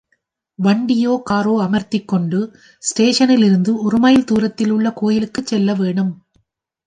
வண்டியோ காரோ அமர்த்திக்கொண்டு ஸ்டேஷனிலிருந்து ஒரு மைல் தூரத்தில் உள்ள கோயிலுக்குச் செல்ல வேணும்.